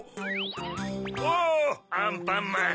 おぉアンパンマン。